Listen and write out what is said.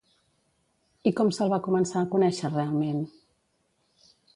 I com se'l va començar a conèixer realment?